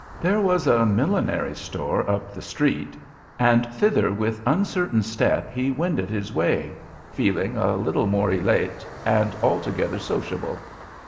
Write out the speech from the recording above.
There was a millinery store up the street, and thither with uncertain step he wended his way, feeling a little more elate, and altogether sociable.